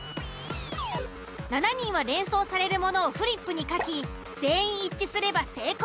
７人は連想されるものをフリップに書き全員一致すれば成功。